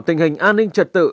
tình hình an ninh trật tự